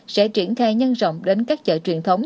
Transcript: sẽ triển khai nhân rộng đến các chợ truyền thống